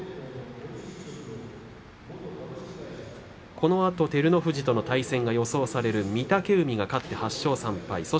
このあと照ノ富士との対戦が予想される御嶽海が勝って８勝３敗。